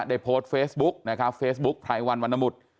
ได้โพสต์เฟซบุ๊กนะครับเฟซบุ๊กไพรวันวรรณบุตร